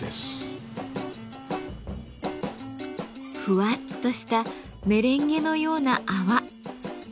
フワッとしたメレンゲのような泡。